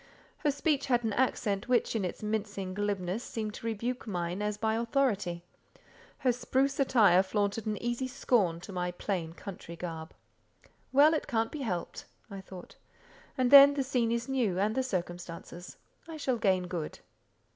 Her speech had an accent which in its mincing glibness seemed to rebuke mine as by authority; her spruce attire flaunted an easy scorn to my plain country garb. "Well, it can't be helped," I thought, "and then the scene is new, and the circumstances; I shall gain good."